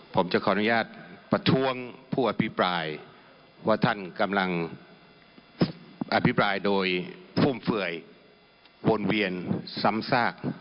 ผมจะขออนุญาตประท้วงผู้อภิปรายว่าท่านกำลังอภิปรายโดยฟุ่มเฟื่อยวนเวียนซ้ำซาก